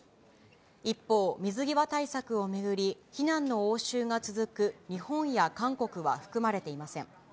一方、水際対策を巡り、非難の応酬が続く日本や韓国は含まれていません。